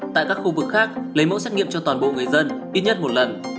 tại các khu vực khác lấy mẫu xét nghiệm cho toàn bộ người dân ít nhất một lần